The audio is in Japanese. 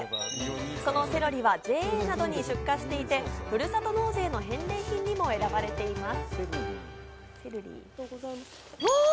そのセロリはＪＡなどに出荷していて、ふるさと納税の返礼品にも選ばれています。